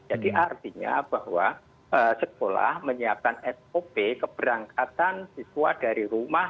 jadi artinya bahwa sekolah menyiapkan sop keberangkatan siswa dari rumah